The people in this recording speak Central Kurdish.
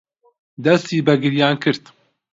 دەستی بە گریان کرد.